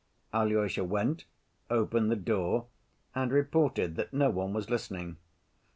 Alyosha went, opened the door, and reported that no one was listening.